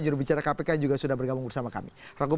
jurubicara kpk juga sudah bergabung bersama kami